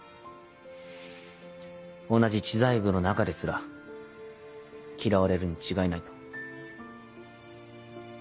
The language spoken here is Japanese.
同じ知財部の中ですら嫌われるに違いないと。